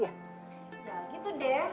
ya gitu deh